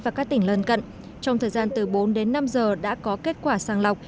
và các tỉnh lân cận trong thời gian từ bốn đến năm giờ đã có kết quả sàng lọc